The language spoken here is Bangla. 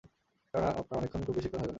কেননা, আপনার অনেকক্ষণ খুব বেশিক্ষণ হইবে না।